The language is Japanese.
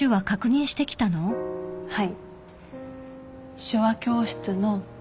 はい。